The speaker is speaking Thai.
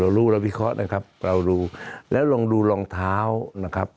รู้เราวิเคราะห์นะครับเราดูแล้วลองดูรองเท้านะครับ